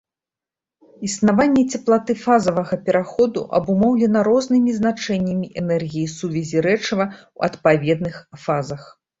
Існаванне цеплаты фазавага пераходу абумоўлена рознымі значэннямі энергій сувязі рэчыва ў адпаведных фазах.